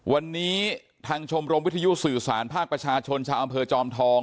วันนี้ทางชมรมวิทยุสื่อสารภาคประชาชนชาวอำเภอจอมทอง